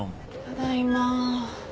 ただいま。